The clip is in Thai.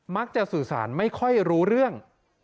สื่อสารไม่ค่อยรู้เรื่อง